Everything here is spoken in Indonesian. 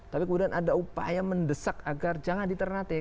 tapi kemudian ada upaya mendesak agar jangan di ternate